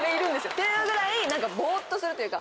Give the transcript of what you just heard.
っていうぐらいボっとするというか。